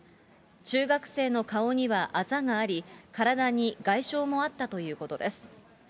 中学生の顔にはあざがあり、体に外傷もあったということです。